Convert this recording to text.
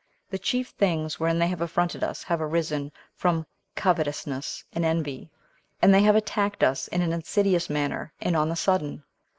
The chief things wherein they have affronted us have arisen from covetousness and envy; and they have attacked us in an insidious manner, and on the sudden.